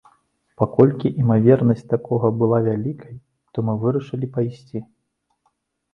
Паколькі імавернасць такога была вялікай, то мы вырашылі пайсці.